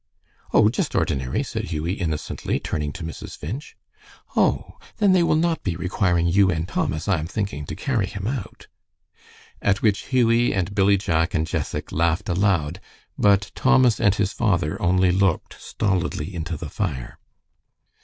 "Oh, just ordinary," said Hughie, innocently, turning to Mrs. Finch. "Oh, then, they will not be requiring you and Thomas, I am thinking, to carry him out." At which Hughie and Billy Jack and Jessac laughed aloud, but Thomas and his father only looked stolidly into the fire.